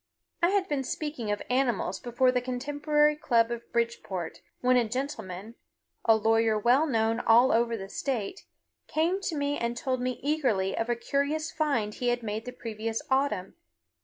I had been speaking of animals before the Contemporary Club of Bridgeport when a gentleman, a lawyer well known all over the state, came to me and told me eagerly of a curious find he had made the previous autumn.